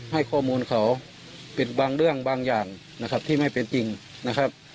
ให้ข้อมูลเขาปิดบางเรื่องบางอย่างนะครับที่ไม่เป็นจริงนะครับ